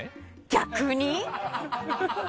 逆に？